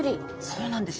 そうなんです。